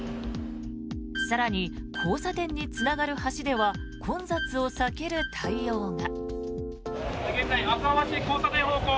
更に、交差点につながる橋では混雑を避ける対応が。